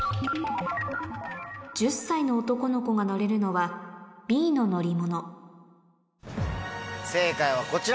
「１０歳の男の子が乗れるのはＢの乗り物」正解はこちら。